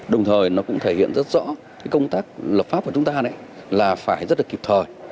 đồng thời nó cũng thể hiện rất rõ công tác lập pháp của chúng ta là phải rất là kịp thời